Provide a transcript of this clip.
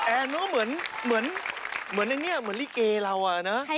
เนี่ยนู้นเหมือนเหมือนเหมือนอันนี้เหมือนอีเกย์เราอะเนอะ